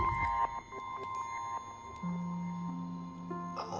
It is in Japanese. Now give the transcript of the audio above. ああ。